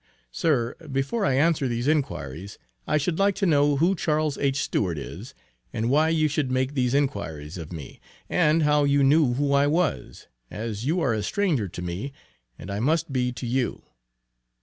Sir, before I answer these inquiries, I should like to know who Charles H. Stewart is, and why you should make these inquiries of me, and how you knew who I was, as you are a stranger to me and I must be to you.